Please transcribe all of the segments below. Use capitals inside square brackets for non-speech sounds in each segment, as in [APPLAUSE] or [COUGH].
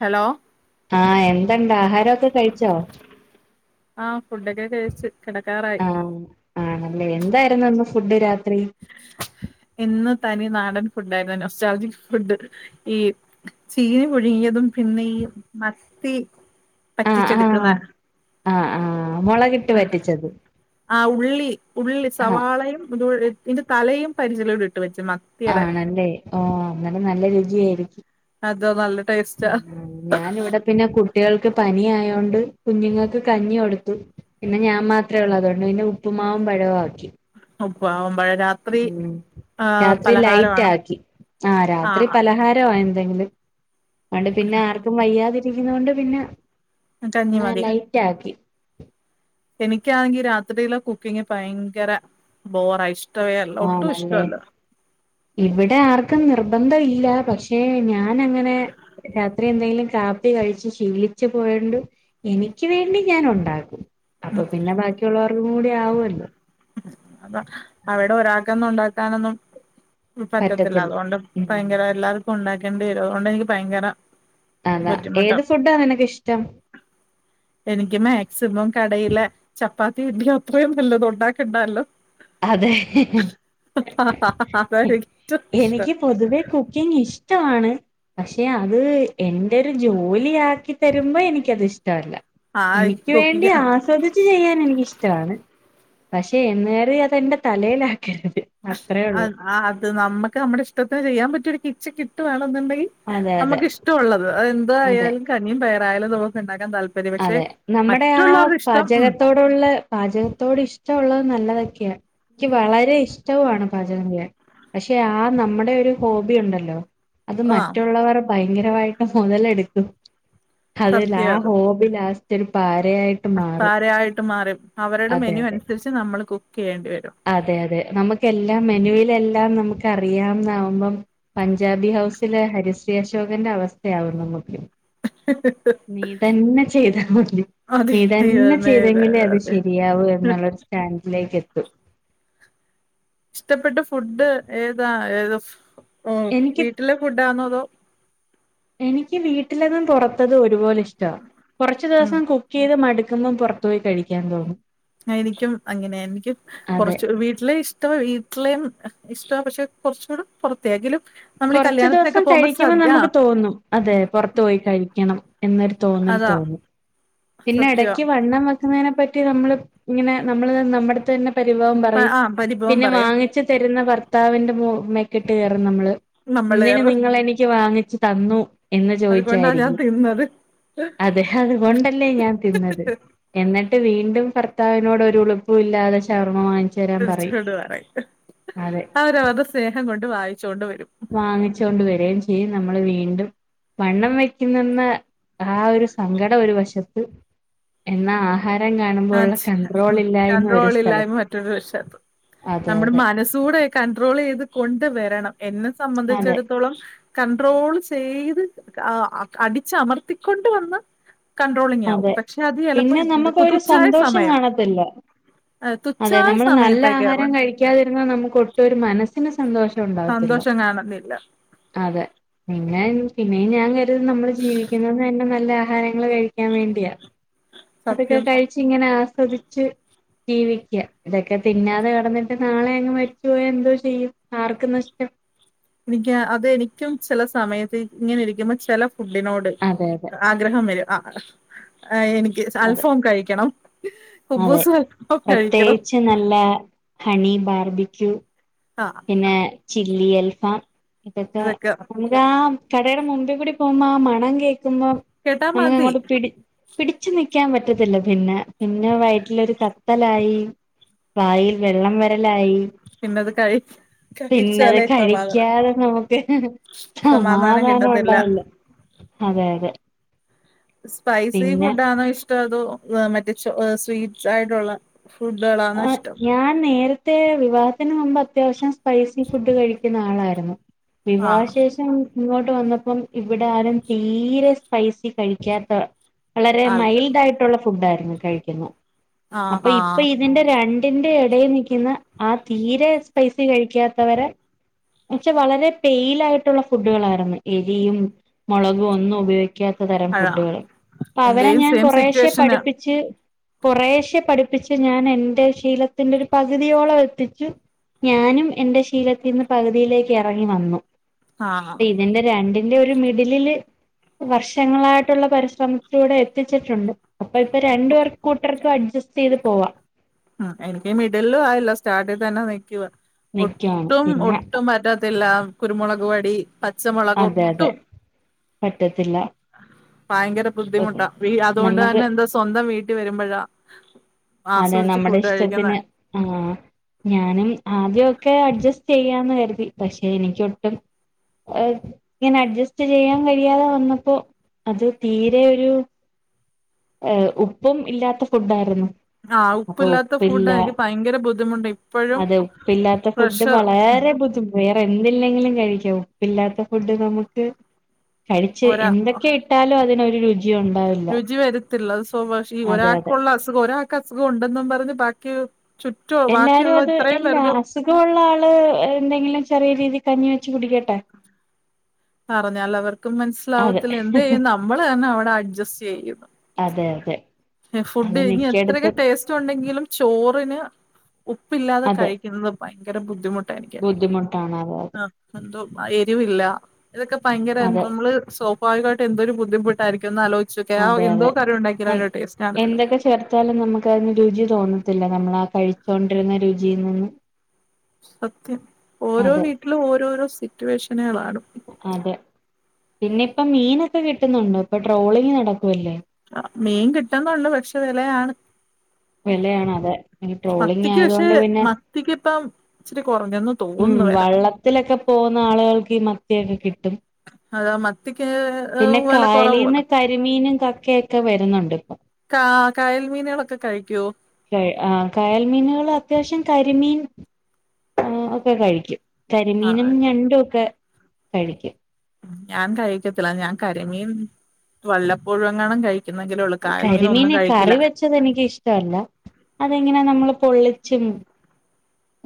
Hello ആഹ് എന്തണ്ട് ആഹാരൊക്കെ കഴിച്ചോ ആഹ് ഫുഡൊക്കെ കഴിച്ചു കെടക്കാറായി ആഹ് ആണല്ലേ എന്തായിരുന്നു ഇന്ന് ഫുഡ് രാത്രി ഇന്ന് തനി നാടൻ ഫുഡാരുന്നു നൊസ്റ്റാൽജി ഫുഡ് ഈ ചീനി പുഴുങ്ങിയതും പിന്നെ ഈ മത്തി ആഹ് പറ്റിച്ചെടുക്കുന്ന ആഹ് ആഹ് ആഹ് മൊളകിട്ട ആഹ് ഉള്ളി ഉള്ളി ആഹ് സവാളയും ഇന്റെ തലയും പരിചിലൂടെ ഇട്ട് വെച്ച് മ ആണല്ലെ ഓഹ് അന്നേരം നല്ല രുചിയായിരിക്കും അത് നല്ല ടേസ്റ്റാ ഉം ഞാനിവിടെ പിന്നെ കുട്ടികൾക്ക് പനി ആയോണ്ട് കുഞ്ഞുങ്ങക്ക് കഞ്ഞി കൊടുത്തു പിന്നെ ഞാൻ മാത്രേ ഒള്ള് അതോണ്ട് പിന്നെ ഉപ്പുമാവും പഴോം ആക്കി ഉപ്പമാവും പഴോം രാ ഉം രാത്രി ലൈറ്റ് ആക്കി ആഹ് രാത്രി പലഹാരവ എന്തെങ്കിലും അതണ്ട് പിന്നെ ആർക്കും വയ്യാതിരിക്കുന്ന കൊണ്ട് പിന്നെ കഞ്ഞി അങ്ങന മതി ലൈറ്റ് ആക്കി എനിക്കാണെങ്കി രാത്രിലെ കുക്കിങ് ബയങ്കര ബോറ ഇഷ് ആണല്ലേ ഇവിടെ ആർക്കും നിർബന്ധം ഇല്ല പക്ഷെ ഞാൻ അങ്ങനെ രാത്രി എന്തെങ്കിലും കാപ്പി കഴിച്ച് ശീലിച്ച് പോയൊണ്ട് എനിക്ക് വേണ്ടി ഞാൻ ഒണ്ടാക്കും ഉം അപ്പൊ പിന്നെ ബാക്കിയൊള്ളോർക്കും കൂടി ആവുവല്ലൊ അത അവടെ ഒരാൾക്കെന്നും ഒണ്ടാക്കാനെന്നും പറ്റത്തില്ല അതോണ്ട് ഭയങ്കര എല്ലാർക്കും ഒണ്ടാക്കേണ്ടി വരും അതോണ്ട് എനിക്ക് ഭയങ്കര അതാ ബുദ്ധിമുട്ടാ ഏത് ഫുഡാ നിനക്കിഷ്ടം എനിക്ക് മാക്സിമം കടയിലെ ചപ്പാത്തി കിട്ടിയ അത്രയും നല്ലത് ഒണ്ടാക്കണ്ടല്ലോ അതെ അതായിരിക്കും ഏറ്റവും ഇഷ്ടം എനിക്ക് പൊതുവേ കുക്കിംഗ്‌ കുക്കിംഗ്‌ ഇഷ്ടവാണ് പക്ഷെ അത് എന്റെ ഒരു ജോലി ആക്കി തരുമ്പോ എനിക്കത് ഇഷ്ടവല്ല ആ എനിക്ക് വേണ്ടി കുക്കിങ് ആസ്വദിച്ചു ചെയ്യാൻ എനിക്കിഷ്ടവാണ് പക്ഷെ എന്ന്‌ കരുതി അതെന്റെ തലേലാക്കരുത് അത് നമ്മുക്ക് നമ്മുടെ ഇഷ്ടത്തിന് ചെയ്യാൻ പറ്റിയൊ ഒരു കിച്ചൻ കിട്ടുവാണെന്നുണ്ടെങ്കി അതെ അതെ നമുക്ക് ഇഷ്ടമൊള്ളത് അത് അതെ എന്തായാലും കഞ്ഞിയും പയറായാലും നമുക്ക് ഉണ്ടാക്കാൻ താല്പര്യമു അതെ നമ്മുടെ ആ ഉം പാചകത്തോട് [UNINTELLIGIBLE] പാചകത്തോട് ഇഷ്ടള്ളത് നല്ലതൊക്കെയാ എനിക്ക് വളരെ ഇഷ്ടവുണ് പാചകം ചെയ്യാൻ പക്ഷെ ആ നമ്മുടെ ഒരു ഹോബി ഒണ്ടല്ലോ അത് ആ മറ്റുള്ളവർ ഭയങ്കരവായിട്ട് മുതലെടുക്കും അതിൽ ആ സത്യം ഹോബി ലാസ്റ്റ് ഒരു പാരയായിട്ട് മാറും പാരയായിട്ട് മാറും അവരുടെ അതെ മെനു അതെ അനുസരിച്ച് നമ്മൾ കുക്ക് ചെയ്യേണ്ടി വരും. അതെ അതെ നമുക്കെല്ലാം മെനുവിലെല്ലാം നമുക്ക് അറിയാന്നാകുമ്പം പഞ്ചാബി ഹൗസിലെ ഹരിശ്രീ അശോകന്റെ അവസ്ഥയാവും നമുക്ക്‌ [UNINTELLIGIBLE] നീ തന്നെ ചെയ്താ മതി അതെ നീ തന്നെ ചെയ്തെങ്കിലേ അത് അതെ ശരിയാവു എന്നുള്ളൊരു ചാൻസിലേക്ക് എത്തു ഇഷ്ടപ്പെട്ട ഫുഡ് ഏതാ ഏത് എനിക്ക് വീട്ടിലെ ഫുഡാണോ അതോ എനിക്ക് വീട്ടിലതും പൊറത്തതും ഒരുപോലെ ഇഷ്ടവാ കൊറച്ച ഉം ദിവസം കുക്ക് ചെയ്ത് മടുക്കുമ്പോം പുറത്ത് പോയി കഴിക്കാൻ തോന്നും എനിക്കും അങ്ങനെയാ എനിക്ക് അതെ കൊറച്ച് വീട്ടിലെ ഇഷ് ട്ടവാ വീട്ടിലേയും ഇഷ്ടവാ പക്ഷെ കൊറച്ചുകൂടി പുറത്തയാ എങ്കിലും കൊറച്ചു ദിവസം കഴിക്കുമ്പോ നമുക്ക് തോന്നും. അതെ പൊറത്തു പോയി കഴിക്കണം എന്നൊരു തോന്നൽ അതാ തോന്നും. പിന്നെ സത്യവാ എടയ്ക്ക് വണ്ണം വെക്കുന്നതിനെ പറ്റി നമ്മള് ഇങ്ങനെ നമ്മള് നമ്മടടുത്ത്തന്നെ പരിഭവം പറയും ആ പരിഭവം പിന്നെ പറയും വാങ്ങിച്ച് തരുന്ന ഭർത്താവിന്റെ മെക്കിട്ട് കയറും നമ്മള് നമ്മള് എന്തിന് നിങ്ങളെനിക്ക് വാങ്ങിച്ചു തന്നു എന്ന് അതുകൊണ്ടാ ഞാൻ ചോദിച്ചായിരിക്കും തിന്നത് അത് അതുകൊണ്ടല്ലേ ഞാൻ തിന്നത്. എന്നിട്ട് വീണ്ടും ഭർത്താവിനോട് ഒരുളുപ്പില്ലാതെ ഷവർമ്മ വാങ്ങിച്ച് [UNINTELLIGIBLE] പറയും അവരവരുടെ സ്നേഹം കൊണ്ട് വാങ്ങിച്ചൊണ്ട് വരും. വാങ്ങിച്ചു കൊണ്ട് വരുകയും ചെയ്യും നമ്മള് വീണ്ടും വണ്ണം വെക്കുന്നന്ന്‌ ആ ഒരു സങ്കടം ഒരു വശത്ത് എന്നാ ആഹാരം കാണുമ്പോൾ ആ ഒള്ള കണ്ട്രോൾ ഉം ഇല്ലായ്മ ഒരു കൺട്രോളില്ലായ്മ സ്ഥലത്ത് അതെ അതെ കൂടെ കണ്ട്രോൾ ചെയ്ത് കൊണ്ട് വരണം എന്നെ അതെ സംബന്ധിച്ചിടത്തോളം കൺട്രോള് ചെയ്ത് അടിച്ചമർത്തിക്കൊണ്ട് വന്ന് കൺട്രോളിംഗ് ആകും അതെ പക്ഷെ അത് ചെലപ്പോ പിന്നെ നമുക്കൊരു സന്തോഷം കാണത്തില്ല അതേ തുച്ഛായ നമ്മള് നല്ല സമയത്തേക്കുള്ള ആഹാരം കഴിക്കാതിരുന്ന നമുക്ക് ഒട്ടു ഒരു മനസ്സിന് സന്തോഷം ഉണ്ടാവത്തില്ല സന്തോഷം കാണുന്നില്ല അതെ പിന്നെ പിന്നെയും ഞാൻ കരുതി നമ്മള് ജീവിക്കുന്നത് തന്നെ നല്ല ആഹാരങ്ങൾ കഴിക്കാൻ കഴിക്കാൻ വേണ്ടിയ അതൊക്കെ സത്യം കഴിച്ച് ഇങ്ങനെ ആസ്വദിച്ച് ജീവിക്കുക ഇതൊക്കെ തിന്നാതെ കെടന്നിട്ട് നാളെ അങ്ങ് മരിച്ചുപോയാ എന്തോ ചെയ്യും ആർക്കും നഷ്ടം എനിക്ക് അതെനിക്കും ചെല സമയത്ത് ഇങ്ങനെ ഇരിക്കുമ്പോ ചെല ഫുഡിനോട് അതെ അതെ ആഗ്രഹം വരും ആ എനിക്ക് അതെ അൽഫാം കഴിക്കണം അതെ കുബ്ബൂസ് കഴിക്കണം. പ്രത്യേകിച്ച് നല്ല ഹണി ബാർബിക്കൂ ആ പിന്നെ ചില്ലി അൽഫാം. ഇതൊക്കെ ഇതാ കടയുടെ മുമ്പി കൂടി പോകുമ്പോ ആ മണം കേൾക്കുമ്പോ കേട്ടാ നമുക്ക് മതി അങ്ങോട്ട് പിടിച്ച് പിടിച്ചു നിക്കാൻ പറ്റത്തില്ല പിന്നെ പിന്നെ വയറ്റിലൊരു കത്തലായി വായിൽ വെള്ളം വരലായി പിന്നത് കഴി പിന്നത് കഴിച്ചാലേ സമാധാനം കഴിക്കാതെ നമുക്ക് ഹ് ഹ് സമാധാനം ഒണ്ടാവില്ല അതെ അതെ സ്പൈസി പിന്നെ ഫുഡാണോ ഇഷ്ടോ അതോ മറ്റേ ചോ സ്വീറ്റ് ആയിട്ടൊള്ള ഫുഡുകള ആ ഞാൻ നേര ത്തെ വിവാഹത്തിന് മുമ്പ് അത്യാവശ്യം സ്പൈസി ഫുഡ് കഴിക്കുന്ന ആളായിരുന്നു ആ വിവാഹ ശേഷം ഇങ്ങോട്ട് വന്നപ്പം ഇവിടെ ആരും തീരെ സ്പൈസി കഴിക്കാത്ത വളരെ ആൾക്ക് മൈൽഡ് ആയിട്ടുള്ള ഫുഡ ആായിരുന്നു കഴിക്കെന്നെ ആ അപ്പൊ ആ ഇപ്പൊ ഈ ഇതിന്റെ രണ്ടിന്റെ എടെ നിയ്ക്ന്നെ ആ തീരെ സ്പൈസി കഴിക്കാത്തവരെ പക്ഷെ വളരെ പെയിലായിട്ടുള്ള ഫുഡുകളായിരുന്നു എരിയും മൊളകും ഒന്നും ഉപയോഗി ക്കാത്ത തരം അഴ ഫുഡുകള് അപ്പൊ അവരെ എന്റെയും ഞാൻ സെയിം കൊറശെ സിറ്റുവേഷനാ പഠിപ്പിച്ച് കൊറേശെ പഠിപ്പിച്ച് ഞാൻ എന്റെ ശീലത്തിന്റെ ഒരു പകുതിയോളം എത്തിച്ച് ഞാനും എന്റെ ശീലത്തിന്ന് പകുതിയിലേക്ക് എറങ്ങി വന്നു ആ പിന്നെ ന്റെ രണ്ട് എന്റെ ഒരു മിഡിലില് വർഷങ്ങളായിട്ടുള്ള പരിശ്രമത്തിലൂടെ എത്തിച്ചിട്ടുണ്ട്. അപ്പൊ ഇപ്പൊ രണ്ടു ഓ പേർക്ക് കൂട്ടുകർക്കും അഡ്ജസ്റ്റ് യ്ത് പോവാ എനിക്ക് മിഡില്ലു ആയില്ല സ്റ്റാർട്ടി തന്നെ നിയ്ക്കുവ. നിക്കുവാണ് ഒട്ടും പിന്നെ ഒട്ടും പറ്റത്തില്ല കുരുമുളക് പടി അതെ അതെ പറ്റത്തില്ല ഭയങ്കര ബുദ്ധിമുട്ടാ വി അതോണ്ട് നമുക്ക് തന്നെ എന്താ സ്വന്തം വീട്ടി വരുമ്പഴാ അതെ നമ്മടെ ഇഷ്ടത്തിന് ആ ഞാനും ആദ്യക്കെ അഡ്ജസ്റ്റ് യ്യാന്ന് കരുതി പക്ഷെ എനിക്കൊട്ടും ഏ ഇങ്ങനെ അഡ്ജസ്റ്റ് ചെയ്യാ കഴിയാതെ വന്നപ്പോ അത് തീരെ ഒരു ഏഹ് ഉപ്പും ഇല്ലാത്ത ഫുഡ് ആയിരുന്നു. ആഹ് അപ്പൊ ഉപ്പില്ലാത്ത ഫുഡാ ഉപ്പില്ല എനിക്ക് ഭയങ്കര ബുദ്ധിമുട്ട് ഇപ്പോഴും അതെ ഉപ്പില്ലാത്ത ഫുഡ് പ്രഷർ വളരെ ബുദ്ധിമു വേറെ എന്തില്ലെങ്കിലും കഴിക്കും ഉപ്പില്ലാത്ത ഫുഡ് നമുക്ക് കഴിച്ച് ഒരാ എന്തൊക്കെയ ട്ടാലും അതിനൊരു രുചിയോണ്ടാവില്ല. സേബാഷി ഒരാക്കുള്ള അസുഖം ഒരാക്ക് അസുഖം ഉണ്ടെന്നും പറഞ്ഞ് ബാക്കി ചു എല്ലാരും അത് എല്ലാ അസുഗോള്ള ആള് എന്തെങ്കിലും ചെറിയ രീതി കഞ്ഞി വെച്ച് കുടിക്കട്ടെ. പറഞ്ഞാല് അവർക്കും അതെ മനസ്സിലാവത്തില്ല എന്ത് ചെയ്യും നമ്മള് തന്നെ അവിടെ അഡ്ജസ്റ്റ് ചെയ്യും. അതെ അതെ. അത് ഫുഡ് ഇനി എത്രൊക്കെ മിക്കയിടത്തും ടേസ്റ്റ് ഒണ്ടെങ്കിലും ചോറിന് ഉപ്പില്ലാതെ അതെ കഴിക്കുന്നത് ഭയങ്കര ബുദ്ധിമുട്ടായിരിക്കും ബുദ്ധിമുട്ടാണ് അതെ അതെ ആഹ് എന്തോ എരിവില്ല ഇതൊക്കെ ഭയങ്കര എന്ത അതെ നമ്മള് സോ സോബാവികായിട്ടും എന്തൊരു ബുദ്ധിമുട്ടായിരിക്കും ഒന്ന് ആലോിച്ചോക്ക്യേ ആഹ് അതെ എന്തോ അതെ കാറി ഒണ്ടാകിലും നം എന്തൊക്കെ ച് ചേർത്താലും നമുക്കയ്ന് രുചി തോന്നത്തില്ല നമ്മള ആഹ് കഴിച്ചിണ്ടിരുന്ന രുചി നിന്ന് സത്യം ഓരോ അതെ വീട്ടിലും ഓരോരോ സിറ്റുവേഷനുകളാണ്. അതെ പിന്നെ ഇപ്പൊ മീനൊക്കെ കിട്ടുന്നുണ്ടോ ഇപ്പൊ ട്രോളിങ് നടക്കുവല്ലേ? ആഹ് മീൻ കിട്ടുന്നുണ്ട് പക്ഷെ വെലയാണ്. വെലയാണ് അതെ എ ട്രോളിംഗ ആയതൊണ്ട് പിന്നെ ക്കിപ്പം ഇച്ചിരി കൊറഞ്ഞന്ന് ഉം വള്ളത്തിലൊക്കെ പോകുന്ന ആളുകൾക്ക് ഈ മത്തിയൊക്കെ കിട്ടും. അതാ മത്തിക്ക് പിന്നെ വില കായലീന്ന് കുറവുമല്ലോ കരിമീനും കക്കയൊക്കെ വരുന്നുണ്ട് പ്പം. കാ കായൽ മീനുളൊക്കെ കഴിക്കോ? ആഹ് കായൽ മീനുകൾ അത്യാവശ്യം കരിമീൻ ഏ ഒക്കെ കഴിക്കും. കരിമീനും ആഹ് ഞണ്ടും ഒക്കെ കഴിക്കും. ഞാൻ കഴിക്കത്തില്ല ഞാൻ കരിമീൻ വല്ലപൊഴേങ്ങാണു കഴി കുന്നെങ്കിലൊള്ളൂ കായൽ മീൻ ഒന്നും കഴിക്കില്ല ച്ചത് എനിക്ക് ഇഷ്ടല്ല അതെങ്ങനെ നമ്മള് പൊള്ളിച്ചും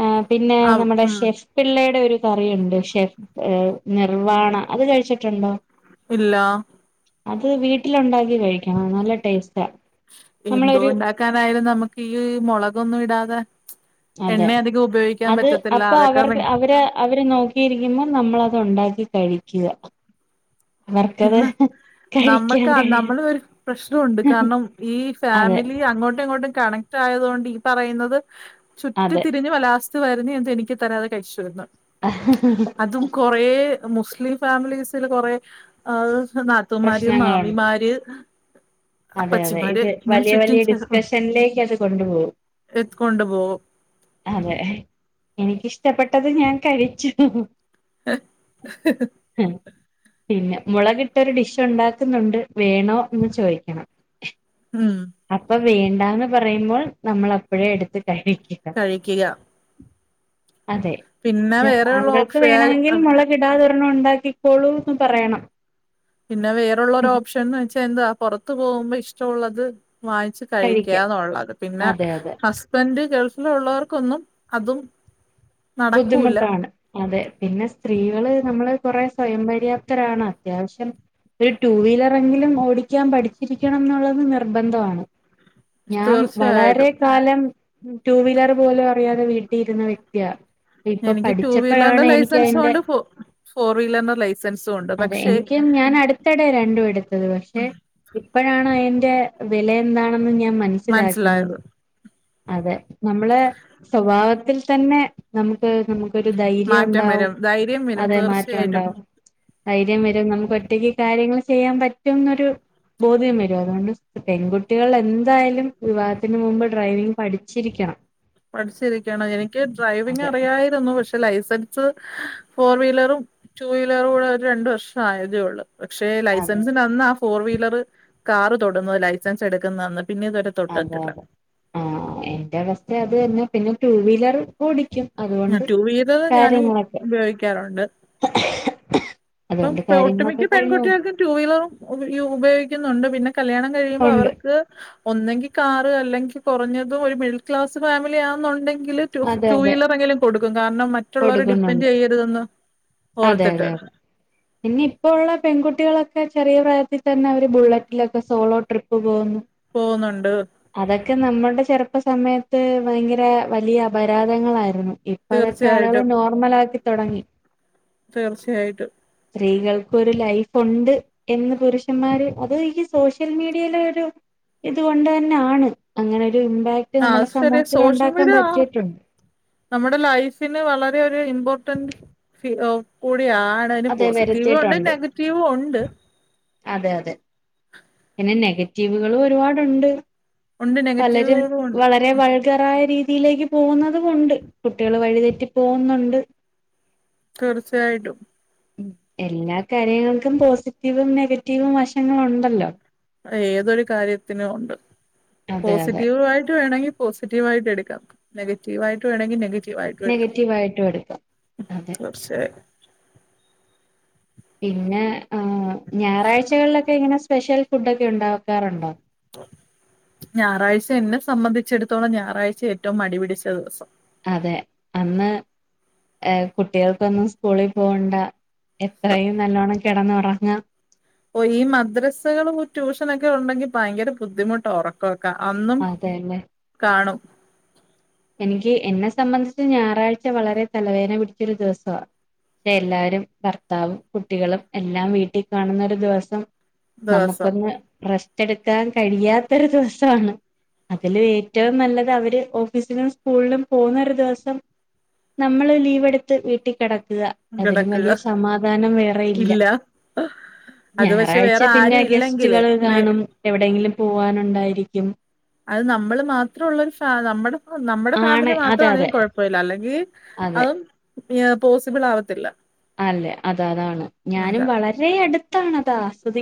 ആഹ് പിന്നെ ആ നമ്മടെ ഉം ശെ പിള്ളയുടെ ഒരു കറിയുണ്ട് ഷെഫ് നിർവാണ അത് കഴിച്ചിട്ടുണ്ടോ ഇല്ല അത് വീട്ടിലുണ്ടാക്കി കഴിക്കണം നല്ല ടേസ്റ്റാ എന്തു നമ്മളൊരു ഉണ്ടാക്കാനായാലും നമുക്ക് ഈ മൊളകൊന്നും ഇടാതെ അതെ എണ്ണ അധികം ഉപയോഗിക്കാൻ അത് പറ്റത്തില്ല അപ്പൊ അതൊക്കെ അവർട് ഭയ- അവര് അവര് നോക്കിയിരിക്കുമ്പോൾ നമ്മളത് ഒണ്ടാക്കി കഴിക്കാ പിന്നെ [UNINTELLIGIBLE] കഴിക്കാൻ നമ്മക്ക് നമ്മള കഴിയും ഒരു പ്രഷ്നോണ്ട് കാരണം ഈ അതെ ഫാമിലി അങ്ങോട്ടും ഇങ്ങോട്ടും കണ റ്റായത്കൊണ്ട് ഈ പറയുന്നത് ചുറ്റി അതെ തിരിഞ്ഞ് വലാസ് വരുന്ന എന്ത എനിക്ക് തരാതെ കഴിച്ചു വന്നു ആ അതും കൊറേ മുസ്ലിം ഫാമിലീസിൽ കൊറേ [UNINTELLIGIBLE] നാത്തുമാര് പ്രശ്നങ്ങളുണ്ട് മാമിമാര് അതെ അതെ അപ്പച്ചിമാര് ഇത് ഇങ്ങനെ വലിയ ചുറ്റും വലിയ ഡിസ്കഷനിലേക്ക് അത് കൊണ്ടുപോവും എത് കൊണ്ട്പോവും അതെ എനിക്കിഷ്ടപ്പെട്ടത് ഞാൻ കഴിച്ചു ആ പിന്നെ മുളകിട്ടൊരു ഡിഷ് ഉണ്ടാക്കുന്നുണ്ട് വേണോ എന്ന് ചോയിക്ക ക്കണം ഉം അപ്പൊ വേണ്ടാന്ന് പറയുമ്പോൾ നമ്മൾ അപ്പഴേ എടുത്ത് കഴിക്കും കഴിക്കുക അതെ പിന്നെ വേറെയുള്ള താങ്കൾക്ക് ഓപ്ഷൻ വേണമെങ്കിൽ മുള കിടാ തൊരണ്ണം ഉണ്ടാക്കിക്കോളൂന്ന് പറയണം പിന്നെ വേറൊള്ളൊരു ഓപ്ഷൻ എന്ന് വെച്ചാൽ എന്താ പൊറത്ത് പോകുമ്പോ ഇഷ്ടമുള്ളത് വാങ്ങിച്ചി കഴിക്കാം കഴിക്കാന്നുള്ളത് പിന്നെ അതെ അതെ ഹസ്ബൻഡ് ഗൾഫിലുള്ളവർക്കൊന്നും അതും നടക്കൂല്ല ബുദ്ധിമുട്ടാണ് അതെ പിന്നെ സ്ത്രീകള് നമ്മള് കൊറേ സ്വയംപര്യാപ്തരാണ് അത്യാവശ്യം ഒരു ടു വീലറെങ്കിലും ഓടിക്കാൻ പഠിച്ചിരിക്കണം ന്നുള്ളത് നിർബന്ധാണ് ഞാൻ വളരെ തീർച്ചയായിട്ടും കാലം ടു വീലർ പോലും അറിയാതെ വീട്ടി ഇരുന്ന വ്യക്തിയ ഇപ്പൊ എനിക്ക് ടു വീലറിന്റെ പഠിച്ചപ്പഴാണ് എനിക്ക് ലൈസൻസും അയിന്റെ ഉണ്ട് ഫോ ഫോർ വീലറിന്റെ ലൈസൻസും ഉണ്ട് അതെ പക്ഷെ എനിക്ക് ഞാൻ അടു ത്തടെ രണ്ടും എടുത്തത് പക്ഷെ ഇപ്പഴാണ് അയിന്റെ വില എന്താണെന്ന് ഞാൻ മന സ്സിലാക്കുന്നത് മനസ്സിലായത് അതെ നമ്മളെ സ്വഭാവത്തിൽ തന്നെ നമുക്ക് നമുക്കൊരു ധൈര്യം മാറ്റം ഉണ്ടാവും വരും ധൈര്യം വരും അതെ മാറ്റം തീർച്ചയായിട്ടും ഉണ്ടാവും ധൈര്യം വരും നമുക്ക് ഒറ്റക്ക് കാര്യങ്ങൾ ചെയ്യാൻ പറ്റുംന്നൊരു ബോധ്യം വരും അതോണ്ട് പെൺകുട്ടികൾ എന്തായാലും വിവാഹത്തിന് മുമ്പ് ഡ്രൈവിംഗ് പഠിച്ചിരിക്കണം പഠിച്ചിരിക്കണം എനിക്ക് ഡ്രൈവിംഗ് അതെ അറിയായിരുന്നു പക്ഷെ ലൈസൻ സ് ഫോർ വീലറും ടു വീലറും കൂടെ ഒരു രണ്ട് വർഷം ആയതേ ഒള്ളൂ പക്ഷെ അതെ ലൈസൻസിന്റ അന്ന് ആ ഫോർ വീലർ കാറ് തൊടുന്നത് ലൈസൻസ് എടുക്കുന്നന്ന് പിന്നെ ഇതുവരെ അതെ അതെ തൊട്ടിട്ടില്ല ആഹ് എന്റെ അവസ്ഥ അത് തന്നെ പിന്നെ ടു വീലർ ഓടിക്കും അതുകൊണ്ട് ടു വീലർ ഞാന് കാര്യങ്ങളൊക്കെ ഉപയോഗിക്കാറുണ്ട് പ്പം അതുകൊണ്ട് ഒട്ടുമിക്ക കാര്യങ്ങളൊക്കെ കഴിഞ്ഞു പോകും. പെൺകുട്ടിയൾക്കു ടൂ വീലറും ഉപയോഗിക്കുന്നുണ്ട് പിന്നെ കല്ല്യാണം കഴിയുമ്പോ ഉണ്ട് അവർക്ക് ഒന്നെങ്കി കാറ് അല്ലെങ്കിൽ കുറഞ്ഞതും ഒരു മിഡിൽ ക്ലാസ് ഫാമിലി ആന്നുണ്ടെങ്കില് ടു അതെ അതെ ടുവീലറെങ്കിലും കൊടുക്കും കാരണം മറ്റുള്ളവരെ ഡിപ്പെൻഡ് കൊടുക്കുന്നുണ്ട് ചെയ്യരുതെന്ന് ഓർത്തിട്ട് ഇനി ഇപ്പോ ഉള്ള പെൺകുട്ടികളൊക്കെ ചെറിയ പ്രായത്തിൽ തന്നെ അവര് ബുള്ളറ്റിലൊക്കെ സോളോ ട്രിപ്പ് പോകുന്നു പോകുന്നുണ്ട് അതൊക്കെ നമ്മളുടെ ചെറുപ്പ സമയത്ത് ഭയങ്കര വലിയ അപരാധങ്ങളായിരുന്നു. ഇ ഇപ്പതൊക്കെ ആളുകള് തീർച്ചയായിട്ടും നോർമലാക്കി തൊടങ്ങി തീർച്ചയായിട്ടും സ്ത്രീകൾക്കൊരു ലൈഫുണ്ട് എന്ന് പുരുഷന്മാര് അത് ഈ സോഷ്യൽ മീഡിയയിലെ ഒരു ഇത് കൊണ്ട നാണ് അങ്ങനെ ഒരു ഇമ്പാക്ട് ആ നമ്മുടെ അത് ശരിയ സമൂഹത്തില് സോഷ്യൽ ഉണ്ടാക്കാൻ മീഡിയ പറ്റിയിട്ടുണ്ട് നമ്മുടെ ലൈഫിന് വളരെ ഒരു ഇമ്പോർട്ടന്റ് ഫി കൂടിയാണ് അയിന് അതെ പോസിറ്റീവൂണ്ട് വരുത്തിയിട്ടുണ്ട് നെഗറ്റീവൂണ്ട് അതെ അതെ പിന്നെ നെഗറ്റീവുകളും ഒരുപാടുണ്ട് ഉണ്ട് പലരും നെഗറ്റീവുകളും ഉണ്ട് വള രെ ഉം, വൾഗറായ രീതിയിലേക്ക് പോകുന്നതും ഉണ്ട്. കുട്ടികൾ വഴിതെറ്റി പോകുന്നുണ്ട് തീർച്ചയായിട്ടും എല്ലാ കാര്യങ്ങൾക്കും പോസിറ്റീവും നെഗറ്റീവും വശങ്ങള്ണ്ടല്ലോ ഏതൊരു കാര്യത്തിനും ഉണ്ട്. അതെ അതെ പോസിറ്റീവ് ആയിട്ട് വേണെങ്കി പോസിറ്റീവായിട്ട് എട്ക്കാം. നെഗറ്റീവായിട്ട് വേണെങ്കി നെഗ വായിട്ടും എട്ക്കാം. നെഗറ്റീവായിട്ടും എടുക്കാം അതെ പക്ഷെ പിന്നെ ഹ് ഞായറാഴ്ചകളിലൊക്കെ ഇങ്ങനെ സ്പെഷ്യൽ ഫുഡൊക്കെ ഉണ്ടാക്കാറുണ്ടോ ഞാറാഴ്ച്ച എന്നെ സംബന്ധിച്ചെടുത്തോളം ഞാറാഴ്ച ഏറ്റവും മടിപിടിച്ച ദിവസം അതെ അന്ന് ഏഹ് കുട്ടിയേൾക്കൊന്നും സ്കൂളി പോണ്ട എത്രയും നല്ലോണം കെടന്നുറങ്ങാം ഓ ഈ മദ്രസകളും ട്യൂഷനൊക്കെ ഉണ്ടെങ്കി ഭയങ്കര ബുദ്ധിമുട്ട ഒറ ക്കൊക്കെ അന്നും അതന്നെ കാണും എനിക്ക് എന്നെ സംബന്ധിച്ച് ഞാറാഴ്ച്ച വളരെ തലവേദന പിടിച്ചൊരു ദിവസ ത്തെ എല്ലാരും ഭർത്താവും കുട്ടികളും എല്ലാം വീട്ടി കാണുന്നൊരു ദിവസം ദിവസം നമ്മുക്കൊന്ന് റെസ് റ്റെടുക്കാൻ കഴിയാത്ത ഒരു ദിവസാണ്. അതിലും ഏറ്റവും നല്ലത് അവര് ഓഫ് ഫീസിലും സ്കൂളിലും പോവുന്ന ഒരു ദിവസം നമ്മളും ലീവ് എടുത്ത് വീട്ടിക്കിടക്ക്‌ക അതിലും കിടക്കുക വലിയ സമാധാനം വേറെയില്ല ഇല്ല അത് പക്ഷെ വേറെ ഞായറാഴ്ച പിന്നെ ആരും ഇല്ലെങ്കില് ഗസ്റ്റുകൾ വേ കാണും, എവിടെയെങ്കിലും പോവാനുണ്ടായിരിക്കും അഹ് നമ്മള് മാത്രൊള്ളൊരു ഫാ നമ്മടെ നമ്മടെ ആണ് ഫാമിലി അതെ മാത്രാണെങ്കി അതെ കൊഴപ്പ ഇല്ല അല്ലെങ്കി അതെ അതും [UNINTELLIGIBLE] പോസിബിൾ ആവത്തില്ല അല്ല അതാ അതാണ് ഞാനും വളരെ അടുത്താണ് അതാസ്വദി